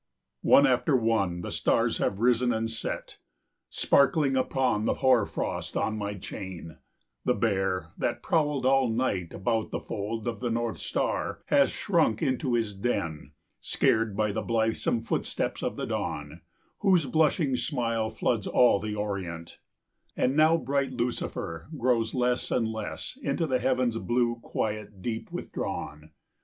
] One after one the stars have risen and set, Sparkling upon the hoarfrost on my chain: The Bear, that prowled all night about the fold Of the North Star, hath shrunk into his den, Scared by the blithesome footsteps of the Dawn, 5 Whose blushing smile floods all the Orient; And now bright Lucifer grows less and less, Into the heaven's blue quiet deep withdrawn.